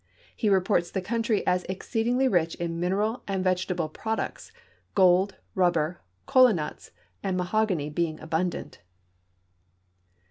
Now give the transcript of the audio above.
He reports the country as ex ceedingly rich in mineral and vegetable products, gold, rubber, kola nuts, and mahogany being abundant.